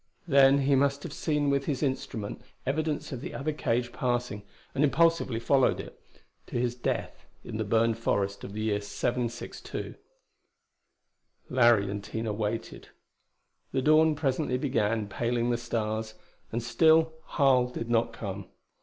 Then he must have seen with his instrument evidence of the other cage passing, and impulsively followed it to his death in the burned forest of the year 762. Larry and Tina waited. The dawn presently began paling the stars; and still Harl did not come.